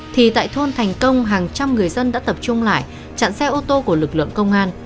thì tại thôn thành công hàng trăm người dân đã tập trung lại chặn xe ô tô của lực lượng công an